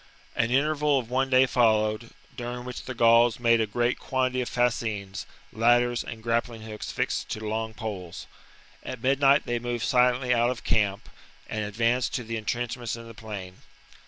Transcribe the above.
An interval of one day followed, during which the Gauls made a great quantity of fascines, ladders, and grappling hooks fixed to long poles. At midnight they moved silently out of camp and advanced to the entrenchments in the plain.